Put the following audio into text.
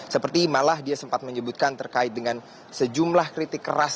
seperti malah dia sempat menyebutkan terkait dengan sejumlah kritik keras